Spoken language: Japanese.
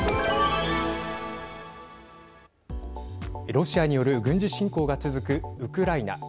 ロシアによる軍事侵攻が続くウクライナ。